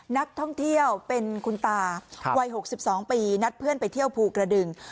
นักท่องเที่ยวเป็นคุณตาวัย๖๒ปีนัดเพื่อนไปเที่ยวภูกระดึง